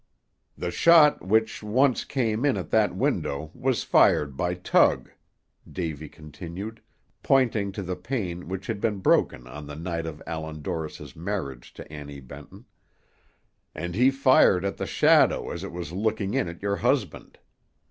"The shot which once came in at that window was fired by Tug," Davy continued, pointing to the pane which had been broken on the night of Allan Dorris's marriage to Annie Benton, "and he fired at the shadow as it was looking in at your husband.